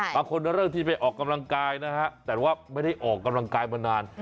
บางคนเริ่มที่ไปออกกำลังกายนะฮะแต่ว่าไม่ได้ออกกำลังกายมานาน